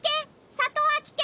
里ハ危険。